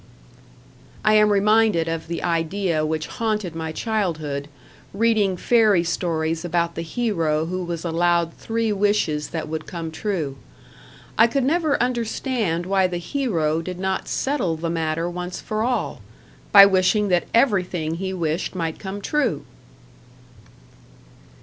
I am reminded of the idea which haunted my childhood, reading fairy stories about the hero who was allowed three wishes that would come true. I could never understand why the hero did not settle the matter once for all by wishing that everything he wished might come true!